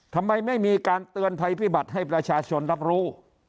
ทำไมไม่มีการเตือนภัยพิบัติให้ประชาชนรับรู้